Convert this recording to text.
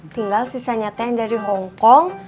tinggal sisanya teh dari hongkong